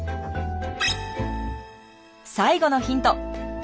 最後のヒント。